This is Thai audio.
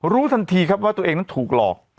รู้ทันทีครับว่าตัวเองนั้นถูกหลอก